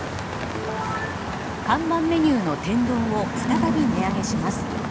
看板メニューの天丼を再び値上げします。